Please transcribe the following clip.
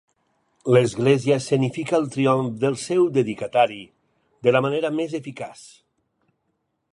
L'església escenifica el triomf del seu dedicatari de la manera més eficaç.